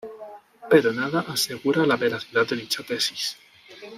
Pero nada asegura la veracidad de dicha tesis.